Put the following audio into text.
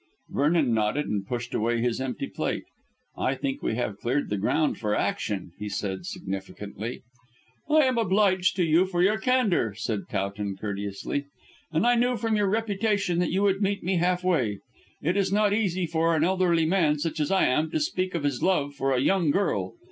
Vernon nodded and pushed away his empty plate. "I think we have cleared the ground for action," he said significantly. "I am obliged to you for your candour," said Towton courteously; "and I knew from your reputation that you would meet me half way. It is not easy for an elderly man, such as I am, to speak of his love for a young girl.